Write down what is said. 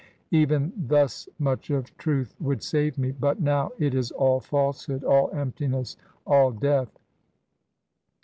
Even thus much of truth would save mel But, now, it is all falsehood! — ^all emptiness 1 all death!'